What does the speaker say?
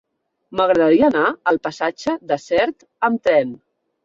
M'agradaria anar al passatge de Sert amb tren.